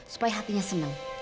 supaya hatinya seneng